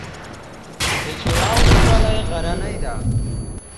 د چوره ولسوالۍ غرنۍ ده